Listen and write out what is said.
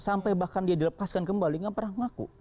sampai bahkan dia dilepaskan kembali nggak pernah ngaku